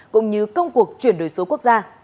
cũng như công cuộc chuyển đổi số quốc gia